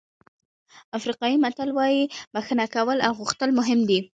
افریقایي متل وایي بښنه کول او غوښتل مهم دي.